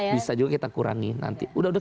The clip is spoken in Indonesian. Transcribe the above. bisa juga kita kurangi nanti udah udah